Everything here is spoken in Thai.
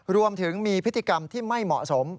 รวมถึงมีพฤติกรรมที่ไม่เหมาะสม